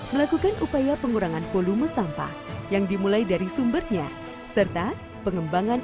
melakukan upaya pengurangan volume sampah yang dimulai dari sumbernya serta pengembangan